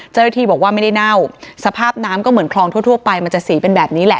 เจ้าหน้าที่บอกว่าไม่ได้เน่าสภาพน้ำก็เหมือนคลองทั่วไปมันจะสีเป็นแบบนี้แหละ